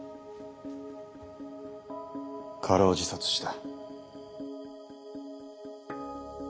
過労自殺した。